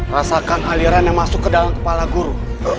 rasakan aliran yang masuk ke dalam kepala guru